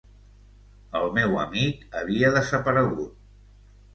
El meu amic havia desaparegut.